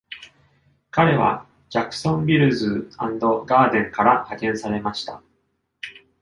彼はジャクソンビルズー＆ガーデンから派遣されました。